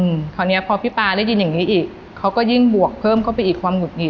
คราวเนี้ยพอพี่ป๊าได้ยินอย่างงี้อีกเขาก็ยิ่งบวกเพิ่มเข้าไปอีกความหุดหงิ